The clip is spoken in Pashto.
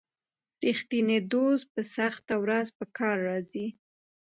رښتینی دوست په سخته ورځ په کار راځي.